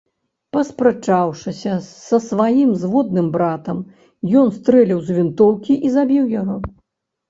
Паспрачаўшыся са сваім зводным братам, ён стрэліў з вінтоўкі і забіў яго.